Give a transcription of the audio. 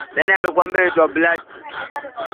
Nili tupu nivike, ni mnyonge nishike